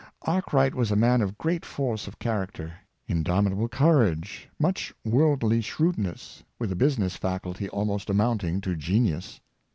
Arkwright was a man of great force of character, indomitable courage, much worldly shrewdness, with a business faculty almost amounting to genius.